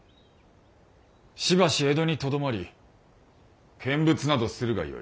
しばし江戸にとどまり見物などするがよい。